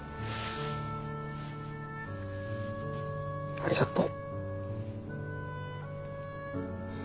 ありがとう。